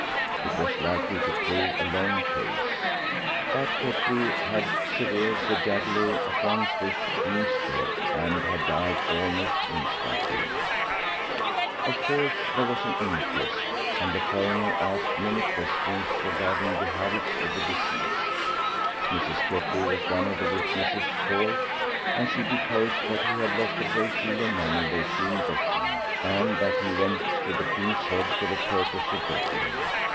It was likely to prove a long case. But Ketley had severed the jugular at one swift, keen stroke, and had died almost instantly. Of course there was an inquest, and the coroner asked many questions regarding the habits of the deceased. Mrs. Ketley was one of the witnesses called, and she deposed that he had lost a great deal of money lately in betting, and that he went to the "King's Head" for the purpose of betting.